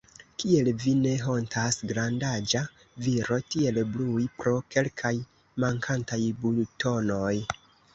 Kiel vi ne hontas, grandaĝa viro, tiel brui pro kelkaj mankantaj butonoj!